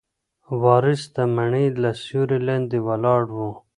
وارث د مڼې له سیوري لاندې ولاړ و.